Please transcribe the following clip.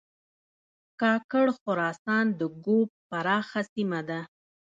کاکړ خراسان د ږوب پراخه سیمه ده